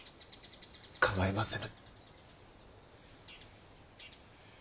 構いませぬ。